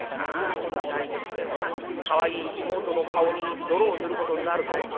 そんなことしてるってえとなかわいい妹の顔に泥を塗ることになるぞ」。